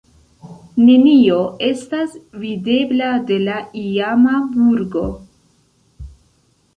Nenio estas videbla de la iama burgo.